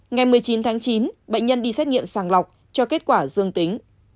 ngày một mươi chín tháng chín bệnh nhân đi xét nghiệm sàng lọc cho kết quả dương tính